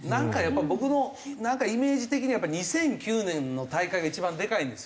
僕のイメージ的には２００９年の大会が一番でかいんですよ。